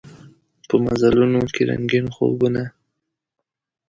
په مزلونوکې رنګین خوبونه